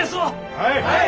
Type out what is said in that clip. はい！